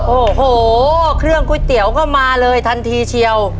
โอ้โหเครื่องก๋วยเตี๋ยวก็มาเลยทันทีเชียว